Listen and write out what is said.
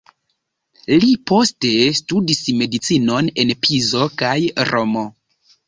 Li poste studis medicinon en Pizo kaj Romo.